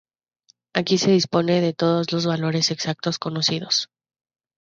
Aquí se dispone de todos los valores exactos conocidos.